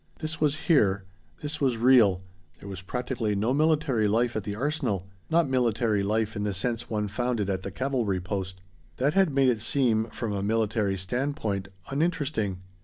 This was here. This was real. There was practically no military life at the Arsenal not military life in the sense one found it at the cavalry post. That had made it seem, from a military standpoint, uninteresting.